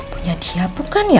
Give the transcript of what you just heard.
punya dia bukan ya